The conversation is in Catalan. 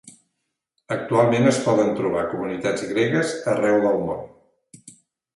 Actualment, es poden trobar comunitats gregues arreu del món.